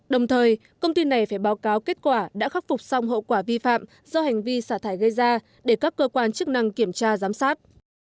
đồng thời công ty này phải báo cáo kết quả đã khắc phục xong hậu quả vi phạm do hành vi xả thải gây ra để các cơ quan chức năng kiểm tra giám sát